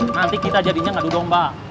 nanti kita jadinya ngadu domba